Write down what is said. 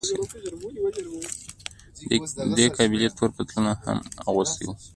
دې قابلې تور پتلون هم اغوستی و.